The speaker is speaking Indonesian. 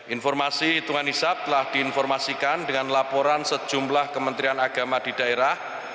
informasi hitungan hisap telah diinformasikan dengan laporan sejumlah kementerian agama di daerah